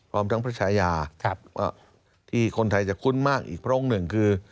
พร้อมทั้งพระชายาที่คนไทยจะคุ้นมากอีกพระองค์หนึ่งคือ